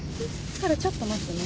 沙羅ちょっと待ってね。